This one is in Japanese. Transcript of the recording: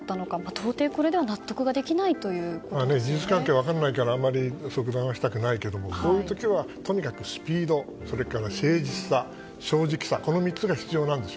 到底、これでは事実関係分からないからあんまり即断はしたくないけどもこういう時はとにかくスピードそれから誠実さ正直さ、この３つが必要なんです。